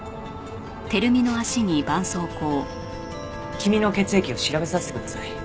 君の血液を調べさせてください。